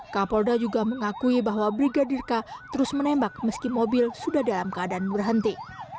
kapolda juga mengakui bahwa brigadir k terus menembak meski mobil sudah dalam keadaan berhenti